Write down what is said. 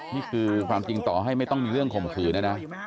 นี่คือความจริงต่อให้ไม่ต้องมีเรื่องข่มขืนนะนะ